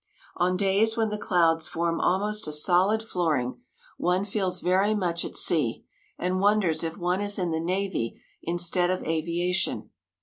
On days when the clouds form almost a solid flooring, one feels very much at sea, and wonders if one is in the navy instead of aviation.